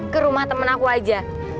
ke rumah temen aku aja